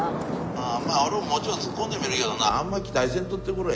あぁまあ俺ももうちょっと突っ込んでみるけどなあんま期待せんとってくれよ。